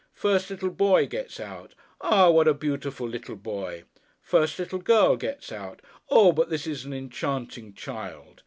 First little boy gets out. Ah, what a beautiful little boy! First little girl gets out. Oh, but this is an enchanting child!